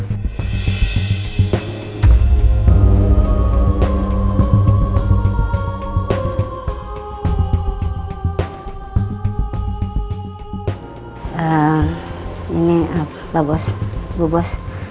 eh ini pak bos bu bos